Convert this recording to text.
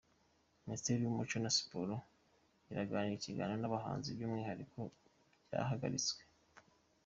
Minisiteri yumuco na siporo iragirana ikiganiro n’abahanzi ku by’ibihangano byahagaritswe